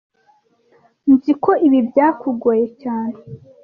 Nzi ko ibi byakugoye cyane